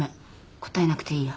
答えなくていいや。